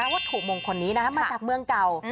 วัตถุมงคลนี้มาจากเมืองเก่า